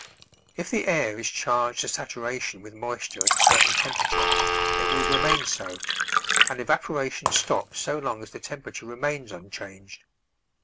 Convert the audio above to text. If the air is charged to saturation with moisture at a certain temperature, it will remain so, and evaporation stops so long as the temperature remains unchanged.